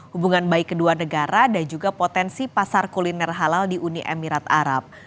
hubungan baik kedua negara dan juga potensi pasar kuliner halal di uni emirat arab